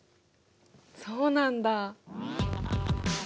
そうなんだ！